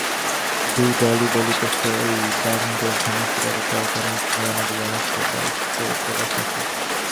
দুই দলই বলিতেছেন, এই ব্রহ্মাণ্ডের সমস্ত পদার্থই এক অনির্বচনীয় অনাদি অনন্ত বস্তুর প্রকাশমাত্র।